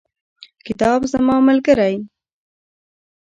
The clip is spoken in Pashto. کتاب زما ملګری.